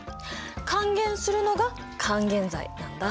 還元するのが「還元剤」なんだ。